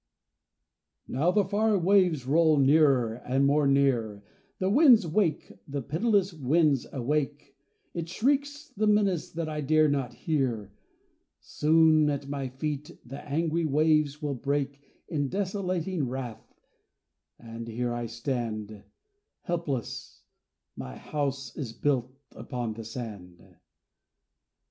NOW the far waves roll nearer and more near, The wind's awake, the pitiless wind's awake, It shrieks the menace that I dare not hear, Soon at my feet the angry waves will break In desolating wrath and here I stand Helpless my house is built upon the sand.